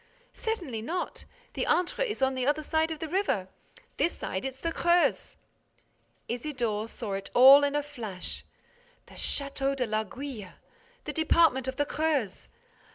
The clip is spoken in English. "Certainly not. The Indre is on the other side of the river. This side, it's the Creuse." Isidore saw it all in a flash. The Château de l'Aiguille! The department of the Creuse!